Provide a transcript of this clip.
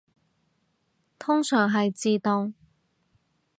通常係自動